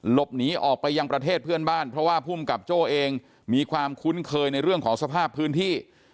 หลบหนีออกไปยังประเทศเพื่อนบ้านเพราะว่าภูมิกับโจ้เองมีความคุ้นเคยในเรื่องของสภาพพื้นที่